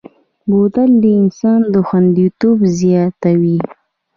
بوتل د انسان خوندیتوب زیاتوي.